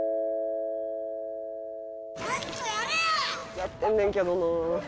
・やってんねんけどな。